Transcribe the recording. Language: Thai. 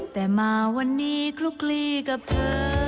แต่มาวันนี้คลุกลีกับเธอ